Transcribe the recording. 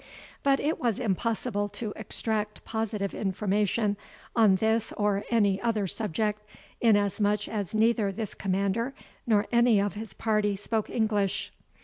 But it was impossible to extract positive information on this or any other subject, inasmuch as neither this commander nor any of his party spoke English.